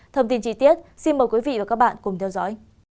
thông tin chi tiết xin mời quý vị và các bạn cùng theo dõi